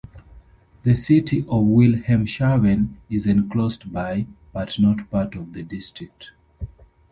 The city of Wilhelmshaven is enclosed by, but not part of the district.